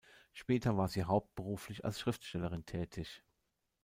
Später war sie hauptberuflich als Schriftstellerin tätig.